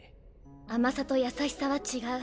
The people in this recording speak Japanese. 甘さと優しさは違う。